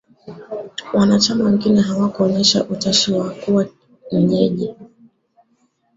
Wanachama wengine hawakuonyesha utashi wa kuwa wenyeji